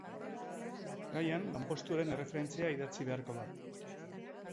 Gaian lanpostuaren erreferentzia idatzi beharko da.